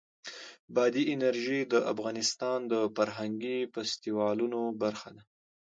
بادي انرژي د افغانستان د فرهنګي فستیوالونو برخه ده.